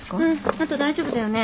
あと大丈夫だよね？